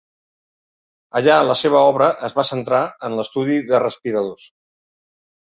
Allà la seva obra es va centrar en l'estudi de respiradors.